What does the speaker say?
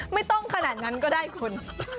ไม่ต้องขนาดนั้นก็ได้คุณ